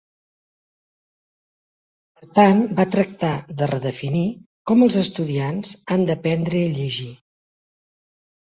Per tant, va tractar de redefinir com els estudiants han d'aprendre i llegir.